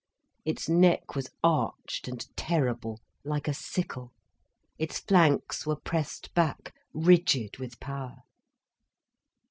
Its neck was arched and terrible, like a sickle, its flanks were pressed back, rigid with power.